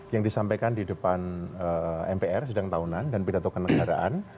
yang disampaikan di depan mpr sidang tahunan dan pidato kenegaraan